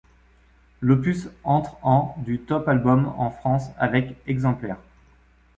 L'opus entre en du top album en France avec exemplaires.